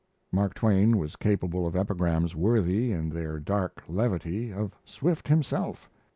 Mark Twain was capable of epigrams worthy, in their dark levity, of Swift himself.